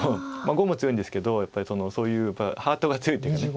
碁も強いんですけどやっぱりそういう場ハートが強いというか。